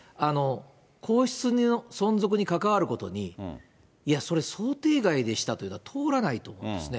皇室の存続にかかわることに、いや、それ、想定外でしたというのは通らないと思うんですね。